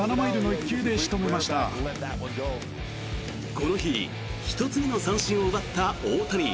この日１つ目の三振を奪った大谷。